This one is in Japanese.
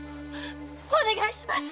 お願いします！